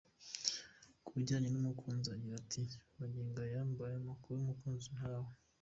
Ku bijyanye n’umukunzi agira ati “Magingo aya mbaye umunyakuri umukunzi ntawe.